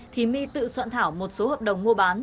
thì my tự soạn thảo một số hợp đồng mua bán